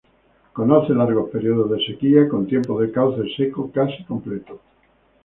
Conoce largos períodos de sequía, con tiempos de cauce seco casi completo.